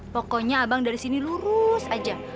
pokoknya abang dari sini lurus aja